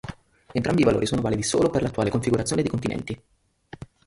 Entrambi i valori sono validi solo per l'attuale configurazione dei continenti.